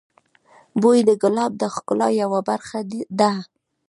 بوی د ګلاب د ښکلا یوه برخه ده.